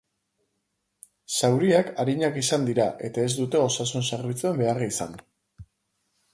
Zauriak arinak izan dira eta ez dute osasun-zerbitzuen beharra izan.